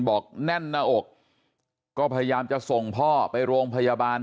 แน่นหน้าอกก็พยายามจะส่งพ่อไปโรงพยาบาล